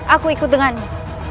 aku ikut denganmu